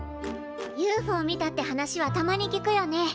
ＵＦＯ見たって話はたまに聞くよね。